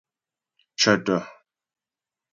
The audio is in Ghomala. Cə̀tə̀.